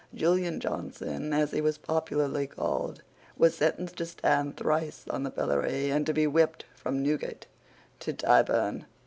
Julian Johnson, as he was popularly called, was sentenced to stand thrice in the pillory, and to be whipped from Newgate to Tyburn.